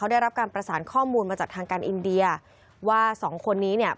ได้รับการประสานข้อมูลมาจากทางการอินเดียว่าสองคนนี้เนี่ย